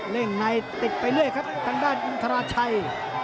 เล่นในติดไปเรื่อยครับทางด้านอินทราชัย